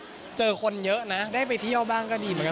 ก็เจอคนเยอะนะได้ไปเที่ยวบ้างก็ดีเหมือนกัน